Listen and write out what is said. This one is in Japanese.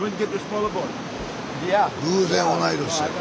偶然同い年や。